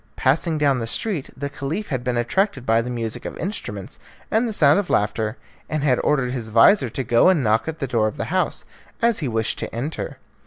Passing down the street, the Caliph had been attracted by the music of instruments and the sound of laughter, and had ordered his vizir to go and knock at the door of the house, as he wished to enter.